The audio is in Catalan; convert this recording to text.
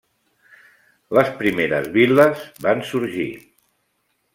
Les primeres vil·les van sorgir.